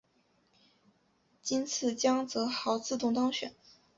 今次江泽濠自动当选。